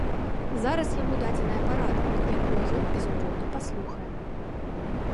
Зараз яму дадзеная парада, якую ён, безумоўна, паслухае.